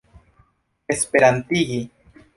esperantigi